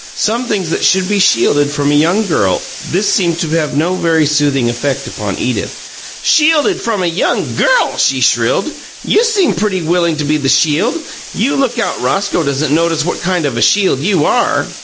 Some things that should be shielded from a young girl " This seemed to have no very soothing effect upon Edith. "'Shielded from a young girl'!" she shrilled. "You seem pretty willing to be the shield! You look out Roscoe doesn't notice what kind of a shield you are!"